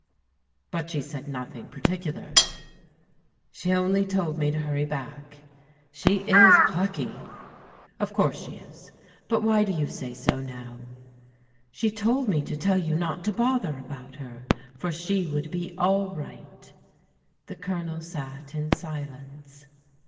But she said nothing particular? *• She only told me to hurry back. She is plucky. 123 124 PRODIGAL DAUGHTERS " Of course she is. But why do you say so now ?"" She told me to tell you not to bother about her, for she would be all right." The Colonel sat in silence.